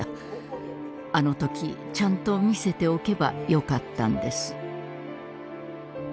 あの時ちゃんと見せておけばよかったんです。